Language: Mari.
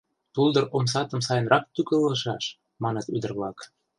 Пулдыр омсатым сайынрак тӱкылышаш! — маныт ӱдыр-влак.